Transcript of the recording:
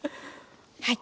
はい。